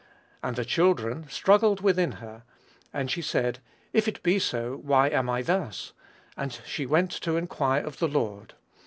And the children struggled together within her: and she said, If it be so, why am I thus? And she went to inquire of the Lord.